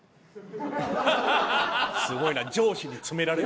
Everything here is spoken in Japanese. すごいな。